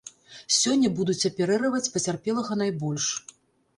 Сёння будуць аперыраваць пацярпелага найбольш.